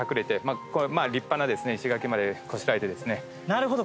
なるほど！